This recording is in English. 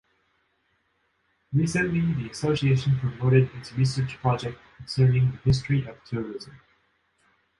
Recently the Association promoted its research project concerning the history of tourism.